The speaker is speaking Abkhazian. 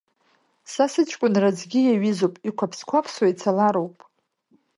Са сыҷкәынра аӡгьы иаҩызоуп, иқәԥақәсуа ицалароуп.